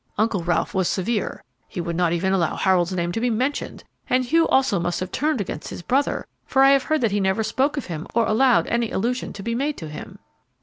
Uncle Ralph was severe; he would not even allow Harold's name to be mentioned; and Hugh also must have turned against his brother, for I have heard that he never spoke of him or allowed any allusion to be made to him."